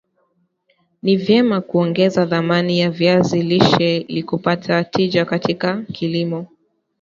Ni vyema kuongeza dhamani ya viazi lishe ilikupata tija katika kilimo